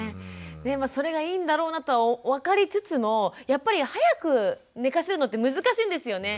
それがいいんだろうなと分かりつつもやっぱり早く寝かせるのって難しいんですよね。